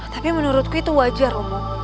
tapi menurutku itu wajar umum